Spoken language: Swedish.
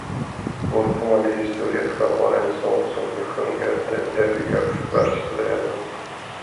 Vår kommande historia skall vara en sång som besjunger den eviga världsfreden.